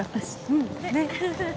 うんねっ。